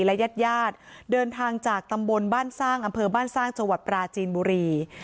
และญาติญาติเดินทางจากตำบลบ้านสร้างอำเภอบ้านสร้างจังหวัดปราจีนบุรี